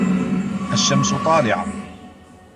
الشَّمْسُ طَالِعَةٌ.